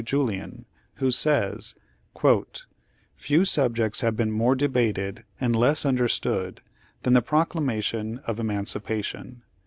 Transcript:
Julian, who says: "Few subjects have been more debated and less under stood than the Proclamation of Emancipation.